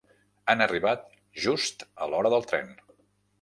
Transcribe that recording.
Han arribat just a l'hora del tren.